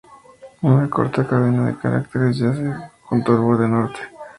Una corta cadena de cráteres yace junto al borde norte.